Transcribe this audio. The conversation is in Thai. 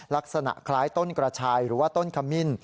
ลักษณะคล้ายต้นกระชายหรือว่าต้นขมิ้น